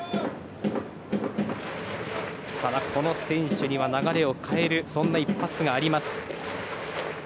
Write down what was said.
ただ、この選手には流れを変えるそんな一発があります。